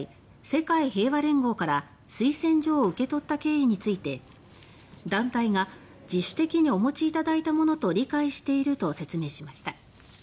世界平和連合から推薦状を受け取った経緯について団体が「自主的にお持ちいただいたものと理解している」と説明しました。